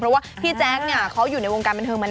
เพราะว่าพี่แจ๊กเขาอยู่ในวงการมานานมาก